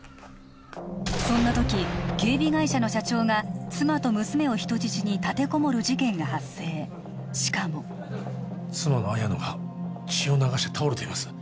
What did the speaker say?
そんな時警備会社の社長が妻と娘を人質に立てこもる事件が発生しかも妻の彩乃が血を流して倒れています